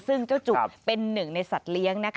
ซึ่งเจ้าจุกเป็นหนึ่งในสัตว์เลี้ยง